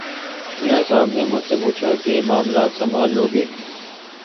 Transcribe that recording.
میاں صاحب نے مجھ سے پوچھا کہ معاملات سنبھال لو گے۔